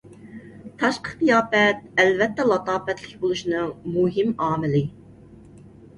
تاشقى قىياپەت ئەلۋەتتە لاتاپەتلىك بولۇشنىڭ مۇھىم ئامىلى.